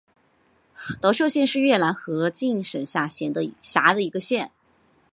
德寿县是越南河静省下辖的一个县。